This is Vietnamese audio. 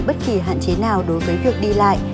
bất kỳ hạn chế nào đối với việc đi lại